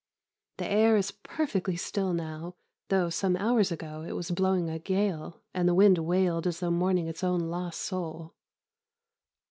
The air is perfectly still now, though, some hours ago, it was blowing a gale and the wind wailed as though mourning its own lost soul.